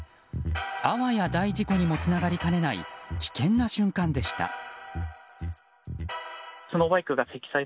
あわや大事故にもつながりかねない危険な瞬間でした。